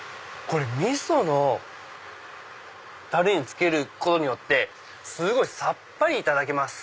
味噌のたれにつけることによってすごいさっぱりいただけます。